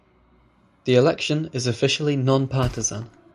The election is officially nonpartisan.